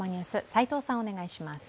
齋藤さん、お願いします。